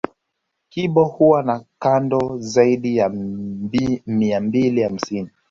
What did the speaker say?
Kibo huwa na kando zaidi ya mia mbili hamsini